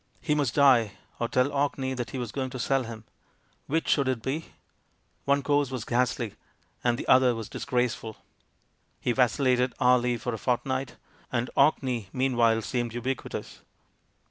He must die or tell Orkney that he was going to sell him ! Which should it be? One course was ghastly, and the other was disgraceful. He vacillated hourly for a fortnight. And Orkney, meanwhile, seemed ubiquitous.